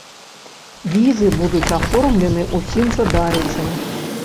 Візы будуць аформлены ўсім жадаючым!